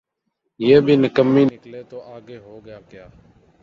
یہ بھی نکمیّ نکلے تو آگے ہوگاکیا؟